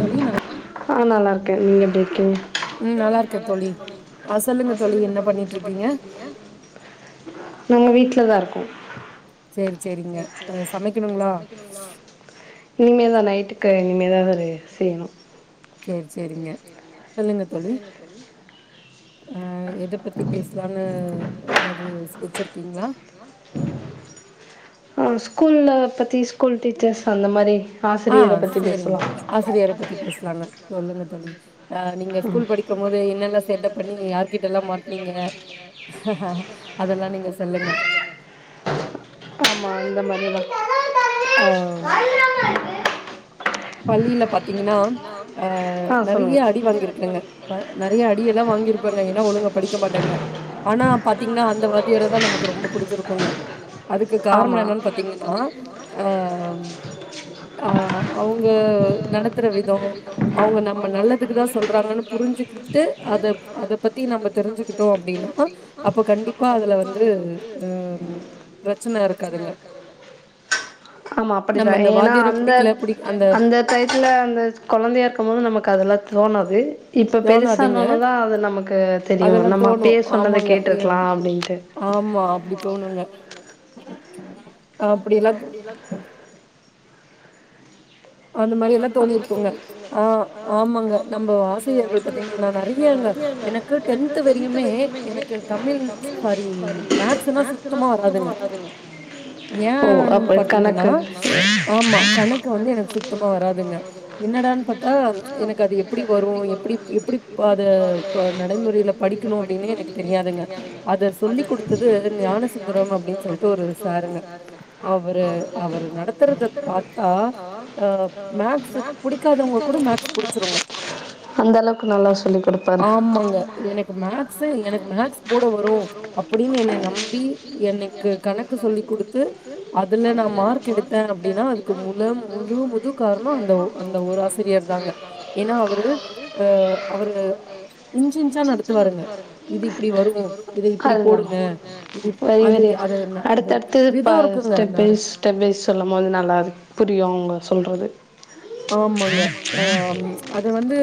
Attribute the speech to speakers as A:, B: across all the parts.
A: தோழி நல்லது
B: ஆ நல்ல இருக்கே நீங்க எப்டி இருக்கீங்க
A: ம் நல்லார்க்கே தோழி அசல்லுங்க தோழி என்ன பண்ணிட்ருக்கீங்க
B: நாங்க வீட்ல தா இருக்கோ
A: சேர் ச்செரிங்க ஆ சமைக்கணுங்ளா
B: இனிமேதா நைட்டுக்கு இனிமேதா ஏதாவ்தே செய்ணு
A: ச்சேரி ச்செரிங்க
B: சொல்லுங்க தோழி
A: அ எத பத்தி பேஸ்லானு ஏதாவ்து வெச்சர்க்கீங்ளா
B: ஆ ஸ்கூல்ல பத்தி ஸ்கூல் டீச்சர்ஸ் அந்த மாரி ஆ சரி அத பத்தி பேஸ்லா
A: ஆசிரியர பத்தி பேஸ்லாங்க சொல்லுங்க தோழி ஆ நீங்க ஸ்கூல் படிக்கும் போது என்னெல்ல சேட்ட பண்ணி யார்கிட்டல்லா மாட்னீங்க அதெல்லா நீங்க சொல்லுங்க
B: ஆமாாம் இந்த மாதிரிதான்
A: பள்ளில பாத்தீங்கின்னா அ நறியா அடி வாங்கிரு க்கங்க ப நறையா அடியெல்லா வாங்கிருப்பர்ங்க ஏனா ஒழுங்க படிக்க மாட்டேங்க ஆனாப் பாத்தீங்னா அந்த வாதியோரதா நமக்கு ரொம்ப புடிச்சிருக்குங்க அதுக்கு காரணோ என்னன் பாத்தீங்கன்னா அ அம் ஆ அவ்ங்க நடத்துற விதோ அவ்ங்க நம்ம நல்லதுக்கு தா சொல்றாங்கன்னு புரிஞ்சுக்கிட்டு அத அத பத்தி நம்ம தெரிஞ்சுக்கிட்டோம் அப்டின்னா அப்ப கண்டிப் ப்பா அதுல வந்து அம் ப்ரச்சன இருக்காதுங்க நம் அந்த வாத்தியார புடிக்ல புடிக்
B: அந்த ட்டயத்துல அந்த கொழந்தையா இருக்கும் போது நமக் அதெல்லா தோணாது இப்ப பெருசானாலுதா அது நமக்கு தெரியு நம் அப்யே சொன்னத கேட்ருக்லா அப்டின்ட்டு
A: ஆமா அப்டி தோணுங்க அப்டில்லா தோ அந்த மாரி எல்லா தோணிர்க்கோங்க ஆ ஆமாங்க நம்போ ஆசிரியர்கள் பாத்தீங்னா நா நறியாங்க எனு கு டென்த்து வரையுமே எனக்கு தமிழ் சாரி மேக்ஸுனா சுத்தமா வராதுங்க ஏஆன் பாத்தீங்கன்னா ஆமா கணக்கு வந்து எனக் த்துமா வராதுங்க என்னடான் பாத்தா எனக் அது எப்டி வரு எப்டிப் எப்டி
B: எப்டிப் அத இப்ப நடைமுறைய்ல படிக்கணு அப்டிங்குனு எனக் தெரியாதுங்க அத செஞ்சு குடுத்து து ரு ஞானசுப்பரம் அப்டின் சொல்ட்டு ஒரு சார்ருங்க அவ்வரு அவர் நடத்தற்து பாத்தா மேக்ஸு புடிக்காதவங்க கூட மேக்ஸ் புடிச்சிரு அந்த அளவுக்கு நல்லா சொல்லி கொடுப்பார் ஆமா
A: எனக்கு மேக்ஸே எனக்கு மேக்ஸ் போட வரு அப்டின்னு என்ன நம்பி எனக்கு கணக்கு சொல்லிக் குடுத்து அதுல நா மார்க் எடுத்தே அப்டின்னா அதுக்கு முலும்
B: அம் அதுவு முழு கார்மா அந்தவ் அந்த ஒரு ஆசிரியர் தானே ஏன்னா அவந்து அவங்க அதுதா வரி வரியா அடுத்தடுத்தது பா ஸ்டெப்பைஸ் ட்டர்வைஸ் சொல்லும் போது நல்லாரு புரியு அவ்ங்க சொல்றது
A: ஆமாங்க ஆம் அது வந்து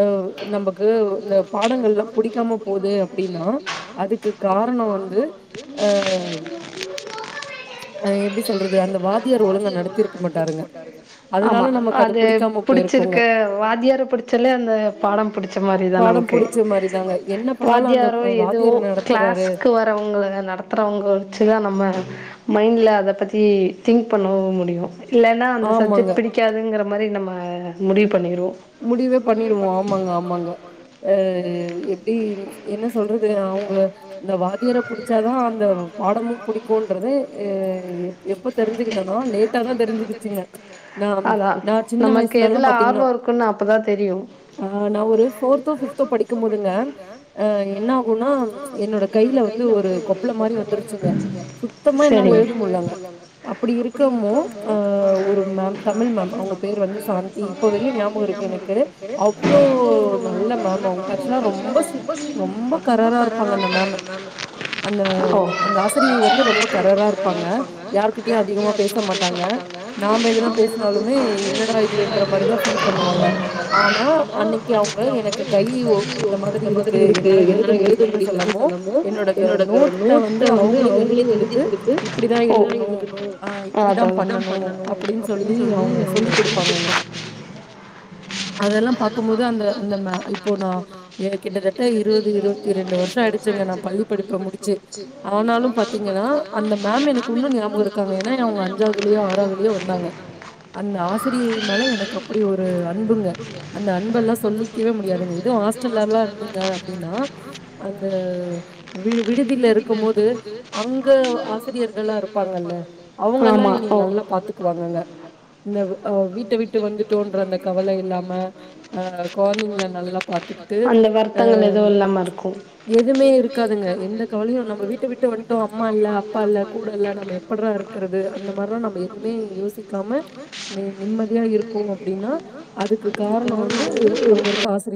A: அவ் நம்பப் க்கு இந்த பாடங்கள்லா புடிக்காம போது அப்படின்னா அதுக்கு காரணோ வந்து அ அம் ஆ எப்டி சொல்றது அந்த வாதியார் ஒழுங்க நடத்திர்க் மாட்டாருங்க அதுனால நம்ம
B: அது புடிச்சிருக்கு வாத்தியார புடிச்சாலே அந்த பாடம் புடி ச்ச மாரி தா நம்க்கே வாத்யாரோ எதுவோ க்ளாஸ்கு வர் றவ்ங்கதான நடத்துறவ்ங்க வச்சு நம்ம மைண்ட்ல அத பத்தி திங் பண்ணவும் முடியு இல்லன்னா அந்த சப்ஜெக்ட் பிடிக்காதுங்கிற மாரி நம்ம முடிவு பண்ணிருவோ
A: முடிவே பண்ணிடுவோ ஆமாங்க ஆமாங்க ஆ எப்படி என்ன சொல்றது அவங்க இந்த வாத்தியார புடிச்சாதான் அந்த பாடமு புடிக்குன்றது ஆ எப்ப தெரிஞ்சுக்கிட்டேனா லேட்டாதான் தெரிஞ்சுக்கிச்சுங்க ந நா சின்ன வயசுல எல்லாம் பாத்தீங்கன்னா
B: அப்பதா தெரியும்
A: ஆ நா ஒரு போர்த்தோ பிப்தோ படிக்கும் போதுங்க ஆ என்னாகுன்னா என்னோட கைல வந்து ஒரு கொப்பளம் மாரி வந்துருச்சுங்க சுத்தமா என்னால எழுத முடியலங்க அப்படி இருக்கமோ ஆ ஒரு மேம் தமிழ் மேம் அவங்க பேர் வந்து சாந்தி இப்ப வரையு ஞாபகம் இருக் எனக்கு அவ்ளோ நல்ல மேம் அவங்க ஆக்சுலா ரொம்ப ஸ்வீட் ரொம்ப கரரா இருப்பாங்க அந்த மேம்
B: என்னால் [inaudible]
A: அந்த அந்த ஆசிரியை வந்து ரொம்ப கரரா இருப்பாங்க யார்கிட்டயு அதிகமா பேச மாட்டாங்க நாம்ப எதனா பேசினாலுமே என்னடா இதுன்ற மாரிதான் ஃபீல் பண்ணுவாங்க ஆனா அன்னைக்கு அவங்க எனக்கு கை இந்த மாதிரி இருக்கு என்னால எழுத முடியலன்னு சொல்லம் போ என்னோட நோட்ட வந்து அவங்களே எழுதி கொடுத்து இப்படிதான் எழுதணும் ஆ இப்படிதா பண்ணணும் அப்படின்னு சொல்லி அவங்க சொல்லி கொடுப்பாங்கங்க அதெல்லாம் பாக்கும்போது அந்த அந்த இப்போ நா கிட்டத்தட்ட இருபது இருபத்தி ரெண்டு வருஷ எடுத்து இங்க நா பள்ளி படிப்ப முடிச்சு ஆனாலும் பாத்தீங்கன்னா அந்த மேம் எனக்கு இன்னு ஞாபக இருக் இருக்காங்க ஏன்னா அவங்க அஞ்சாவதுலயோ ஆறாவதுலயோ வந்தாங்க அந்த ஆசிரியை மேல எனக்கு அப்படி ஒரு ஒரு அன்புங்க அந்த அன்ப எல்லாம் சொல்லிக்கவே முடியாதுங்க இதுவு ஹாஸ்டல்லல்லா இருந்தீங்க அப்படின்னா அந்த வி விடுதியில இருக்கும் போது அங்க ஆசிரியர்கள் எல்லா இருப்பாங்கல்ல அவங்கல்லாம் எனை நல்லா பாத்துக்குவாங்கங்க இந்த ஆ வீட்ட விட்டு வந்துட்டு அந்த கவலை இல்லாம ஆ கொழந்தைகள நல்லா பாத்துக்கிட்டு
B: தங்கல் எதுவும் இல்லாம இருக்கும்
A: எதுமே இருக்காதுங்க எந்த கவலையும் நம்ம வீட்ட விட்டு வந்ட்டோ அம்மா இல்ல அப்பா இல்ல கூட இல்ல நம்ம எப்பட்றா இருக்கறது அந்த மாரிலா நம்ம எதுமே யோசிக்காம நிம்மதியா இருக்கு அப்படின்னு அதுக்கு காரண வந்து அங்க இருக்க ஆசிரியர் தா